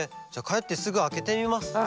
じゃかえってすぐあけてみます。